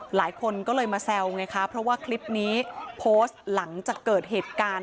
หลายคนก็เลยมาแซวไงคะเพราะว่าคลิปนี้โพสต์หลังจากเกิดเหตุการณ์